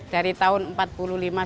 dari tahun empat puluh lima sudah ada mas